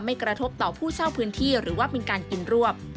กระทบต่อผู้เช่าพื้นที่หรือว่าเป็นการกินรวบ